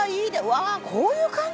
わあこういう感じで。